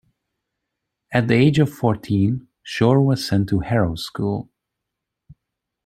At the age of fourteen Shore was sent to Harrow School.